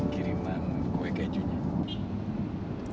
kiriman kue kejunya